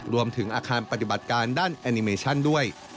รวมถึงอาคารปฏิบัติการด้านแอนิเมชั่นด้วย